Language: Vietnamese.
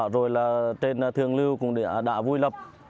rồi là trên thường lưu cũng đã vui lập